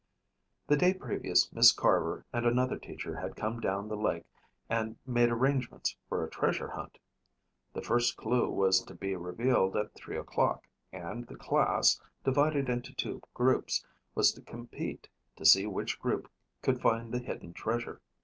The day previous Miss Carver and another teacher had come down the lake and made arrangements for a treasure hunt. The first clue was to be revealed at three o'clock and the class, divided into two groups, was to compete to see which group could find the hidden treasure.